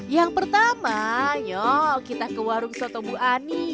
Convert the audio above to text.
yang pertama yuk kita ke warung soto bu ani